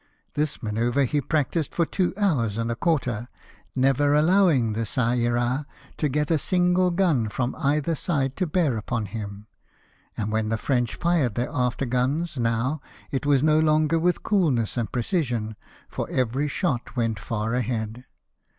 This man oeuvre he practised for two hours and a quarter, never allowing the Qa Ira to get a single gim from either side to bear on him ; and when the French fired their after guns now, it was no longer with coolness and precision, for every shot went far ahead.